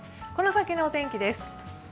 この先のお天気です。